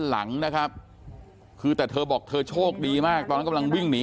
หลังนะครับคือแต่เธอบอกเธอโชคดีมากตอนนั้นกำลังวิ่งหนี